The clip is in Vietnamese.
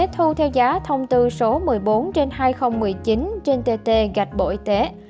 thu theo giá thông tư số một mươi bốn trên hai nghìn một mươi chín trên tt gạch bộ y tế